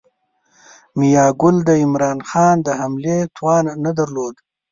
میاګل د عمرا خان د حملې توان نه درلود.